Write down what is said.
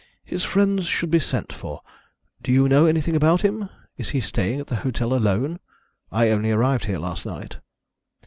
His friends should be sent for. Do you know anything about him? Is he staying at the hotel alone? I only arrived here last night."